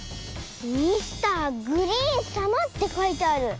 「ミスターグリーンさま」ってかいてある！